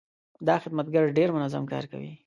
دا خدمتګر ډېر منظم کار کوي.